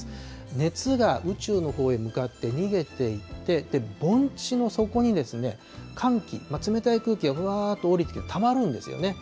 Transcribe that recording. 熱が宇宙のほうへ向かって逃げていって、盆地の底に寒気、冷たい空気がふわーっと下りてたまるんですよね。